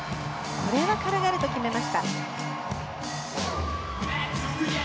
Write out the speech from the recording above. これは軽々と決めました。